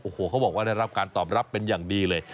โอ้โหเขาบอกว่าได้รับการตอบรับเป็นอย่างดีเลย